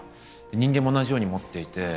人間も同じように持っていて。